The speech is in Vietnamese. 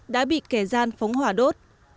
đã bị kẻ gian phóng hỏa đốt